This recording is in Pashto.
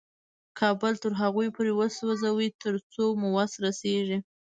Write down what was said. کابل تر هغو پورې وسوځوئ تر څو مو وس رسېږي.